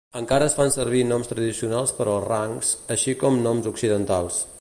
Encara es fan servir noms tradicionals per als rangs, així com noms occidentals.